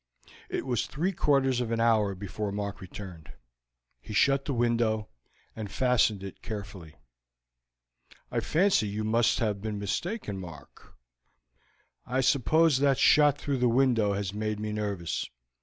It was three quarters of an hour before Mark returned. He shut the window, and fastened it carefully. "I fancy you must have been mistaken, Mark." "I suppose that shot through the window has made me nervous.